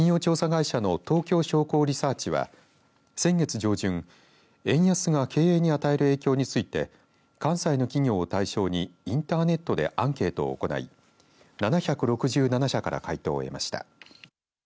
会社の東京商工リサーチは先月上旬円安が経営に与える影響について関西の企業を対象にインターネットでアンケートを行い７６７社から回答を得ました。